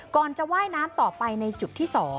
ก่อนจะว่ายน้ำต่อไปในจุดที่๒